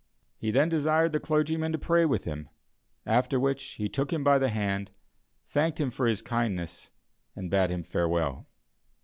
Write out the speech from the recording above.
He then desired the clergyman to pray with him, after which he took him by the hand, thanked him for his kindness, and bade him farewell.